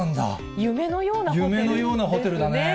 夢のようなホテルだね。